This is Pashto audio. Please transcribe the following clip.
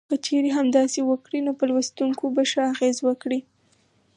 که چېرې همداسې وکړي نو په لوستونکو به ښه اغیز وکړي.